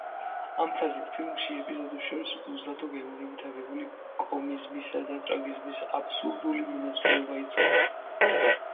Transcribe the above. ამ ფრაზით ფილმში ეპიზოდებს შორის უზადო გემოვნებით აგებული კომიზმისა და ტრაგიზმის აბსურდული მონაცვლეობა იწყება.